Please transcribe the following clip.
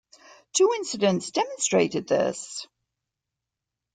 Two incidents demonstrated this.